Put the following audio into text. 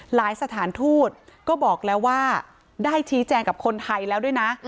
สถานทูตก็บอกแล้วว่าได้ชี้แจงกับคนไทยแล้วด้วยนะ